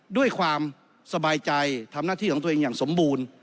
ด้วยความสบายใจทำหน้าที่ของตัวเองอย่างสมบูรณ์